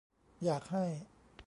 อยากให้